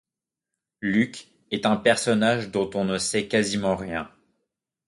Luc est un personnage dont on ne sait quasiment rien.